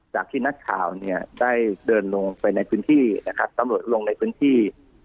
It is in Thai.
จากทีนัทข่าวเนี่ยได้เดินลงไปคุณที่ตรลงในคุณที่